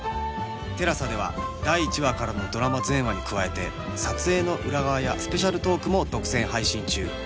ＴＥＬＡＳＡ では第１話からのドラマ全話に加えて撮影の裏側やスペシャルトークも独占配信中